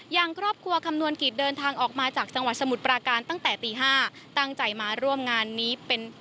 อย่างครอบครัวคำนวณกิจเดินทางออกมาจากสมุทรประการตั้งแต่ตี๕